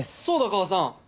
そうだ母さん！